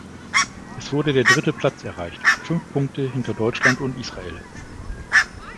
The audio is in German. Es wurde der dritte Platz erreicht, fünf Punkte hinter Deutschland und Israel.